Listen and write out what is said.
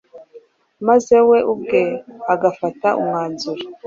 maze we ubwe agafata umwanzuro